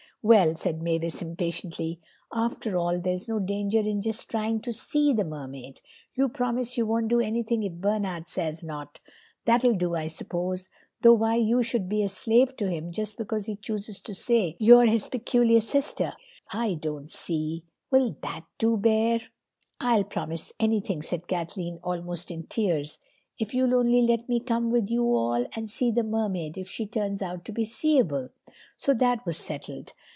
"Well," said Mavis impatiently, "after all, there's no danger in just trying to see the Mermaid. You promise you won't do anything if Bernard says not—that'll do, I suppose? Though why you should be a slave to him just because he chooses to say you're his particular sister, I don't see. Will that do, Bear?" "I'll promise anything," said Kathleen, almost in tears, "if you'll only let me come with you all and see the Mermaid if she turns out to be seeable." So that was settled.